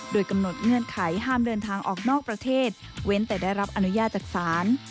โดยกำหนดเงื่อนไขห้ามเดินทางออกนอกประเทศเว้นแต่ได้รับอนุญาตจากศาล